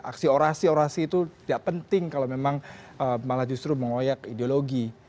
aksi orasi orasi itu tidak penting kalau memang malah justru mengoyak ideologi